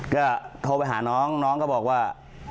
ก็โทรไปหาน้องน้องก็บอกว่า